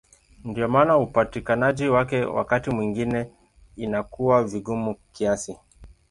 Ndiyo maana upatikanaji wake wakati mwingine inakuwa vigumu kiasi.